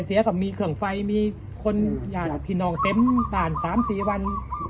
แต่แทนเสียก็มีเครื่องไฟผินองเต็มต่าง๓๔วัน